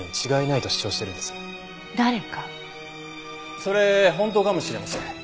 それ本当かもしれません。